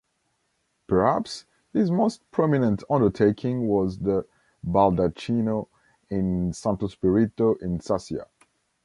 Perhaps his most prominent undertaking was the "baldacchino" in Santo Spirito in Sassia.